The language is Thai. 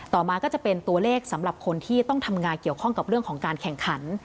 ต่อมาก็จะเป็นตัวเลขสำหรับคนที่ต้องทำงานเกี่ยวข้องกับเรื่องของการแข่งขัน